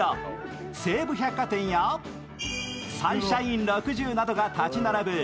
西武百貨店やサンシャイン６０などが立ち並ぶ